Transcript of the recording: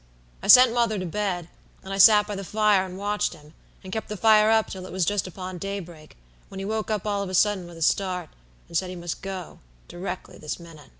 I sent mother to bed, and I sat by the fire and watched him, and kep' the fire up till it was just upon daybreak, when he 'woke up all of a sudden with a start, and said he must go, directly this minute.